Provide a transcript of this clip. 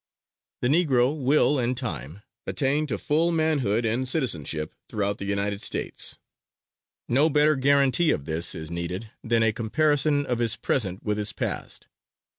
The Negro will, in time, attain to full manhood and citizenship throughout the United States. No better guaranty of this is needed than a comparison of his present with his past.